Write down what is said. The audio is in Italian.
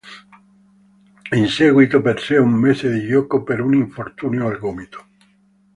In seguito perse un mese di gioco per un infortunio al gomito.